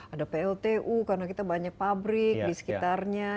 ada pltu karena kita banyak pabrik di sekitarnya